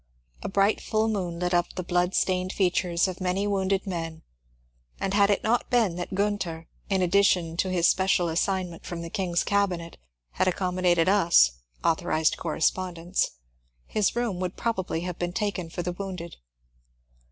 A bright full moon lit up the blood stained features of many wounded men, and had it not been that Gunther in addition to his special assignment from the King's Cabinet had accom modated us, — authorized correspondents, — his room would probably have been taken for the wounded.